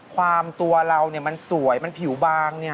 ความตัวเรามันสวยมันผิวบาง